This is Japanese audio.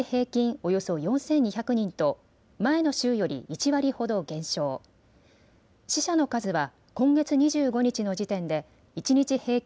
およそ４２００人と前の週より１割ほど減少、死者の数は今月２５日の時点で一日平均